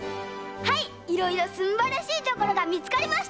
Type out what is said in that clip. はいいろいろすんばらしいところがみつかりました！